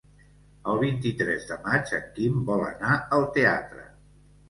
El vint-i-tres de maig en Quim vol anar al teatre.